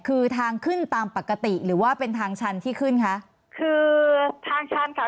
คือทางขึ้นตามปกติหรือว่าเป็นทางชันที่ขึ้นคะคือทางชันค่ะ